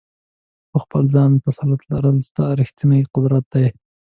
په خپل ځان تسلط لرل، ستا ریښتنی قدرت دی.